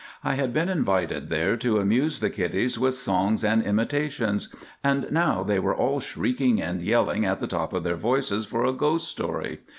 I had been invited there to amuse the kiddies with songs and imitations, and now they were all shrieking and yelling at the top of their voices for a ghost story.